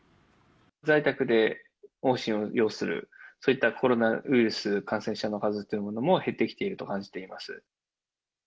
在宅で往診を要する、そういったコロナウイルス感染者の数というものも減ってきていると感じています。